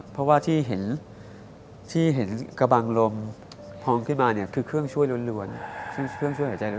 เพราะว่าที่เห็นที่เห็นกระบังลมพองขึ้นมาเนี่ยคือเครื่องช่วยล้วนเครื่องช่วยหายใจ